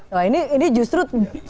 nah ini justru